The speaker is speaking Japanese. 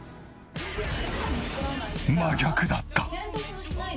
真逆だった！